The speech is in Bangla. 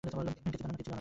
কিচ্ছু জানো না।